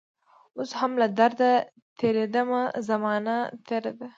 اوس هم له درده تیریدمه زمانه تیره ده